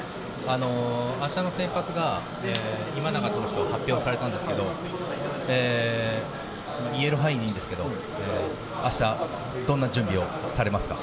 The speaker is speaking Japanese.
あしたの先発が今永投手と発表されたんですけど、言える範囲でいいんですけど、あした、どんな準備をされますか。